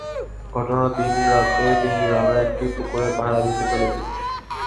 ঘটনার দিন রাতে তিনি গ্রামের একটি পুকুরে পাহারা দিতে চলে যান।